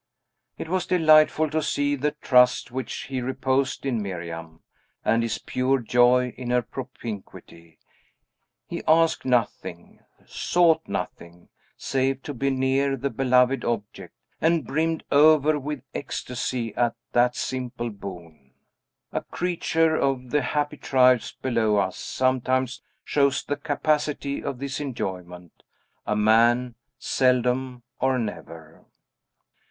It was delightful to see the trust which he reposed in Miriam, and his pure joy in her propinquity; he asked nothing, sought nothing, save to be near the beloved object, and brimmed over with ecstasy at that simple boon. A creature of the happy tribes below us sometimes shows the capacity of this enjoyment; a man, seldom or never.